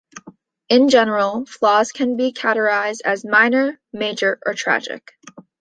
In general, flaws can be categorized as "minor", "major", or "tragic".